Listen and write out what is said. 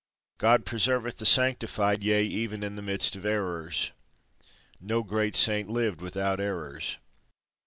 God preserveth the sanctified, yea, even in the midst of errors. No great Saint lived without errors.